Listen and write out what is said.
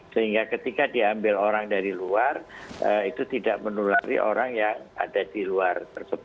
sehingga ketika diambil orang dari luar itu tidak menulari orang yang ada di luar